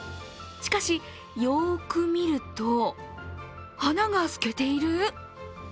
しかし、よく見ると花が透けている？